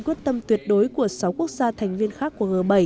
quyết tâm tuyệt đối của sáu quốc gia thành viên khác của g bảy